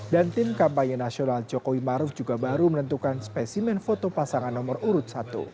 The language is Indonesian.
dan tim kampanye nasional jokowi maruf juga baru menentukan spesimen foto pasangan nomor urut satu